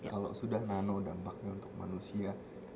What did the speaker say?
kalau sudah nano dampaknya untuk manusia